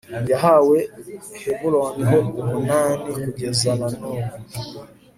yahawe heburoni ho umunani kugeza na n'ubu